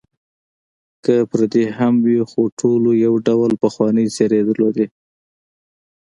که پردي هم پکې وې، خو ټولو یو ډول پخوانۍ څېرې درلودې.